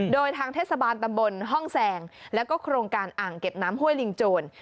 โดยทางเทศบาลตำบลห้องแสงแล้วก็โครงการอ่างเก็บน้ำห้วยลิงโจร